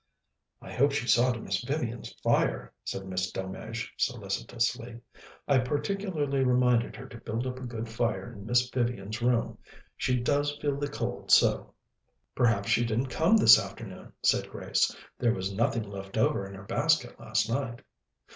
"I hope she saw to Miss Vivian's fire," said Miss Delmege solicitously. "I particularly reminded her to build up a good fire in Miss Vivian's room. She does feel the cold so." "Perhaps she didn't come this afternoon," said Grace. "There was nothing left over in her basket last night."